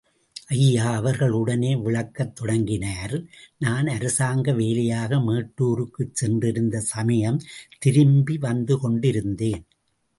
ஐயா அவர்கள் உடனே விளக்கத் தொடங்கினார் நான் அரசாங்க வேலையாக மேட்டூருக்குச் சென்றிருந்த சமயம் திரும்பி வந்துகொண்டிருந்தேன்.